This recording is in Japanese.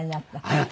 はい。